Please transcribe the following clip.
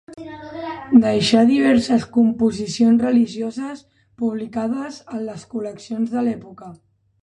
Deixà diverses composicions religioses publicades en les col·leccions de l'època.